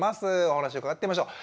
お話を伺ってみましょう。